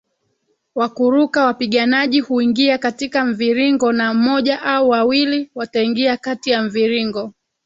wa kuruka Wapiganaji huingia katika mviringo na moja au wawili wataingia kati ya mviringo